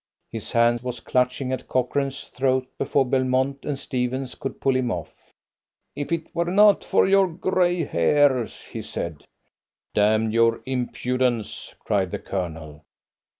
His hand was clutching at Cochrane's throat before Belmont and Stephens could pull him off. "If it were not for your grey hairs " he said. "Damn your impudence!" cried the Colonel.